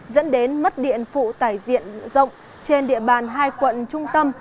dẫn đến mất điện phụ tải diện rộng trên địa bàn hai quận trung tâm